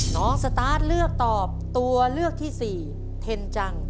สตาร์ทเลือกตอบตัวเลือกที่สี่เทนจัง